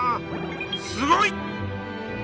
すごい！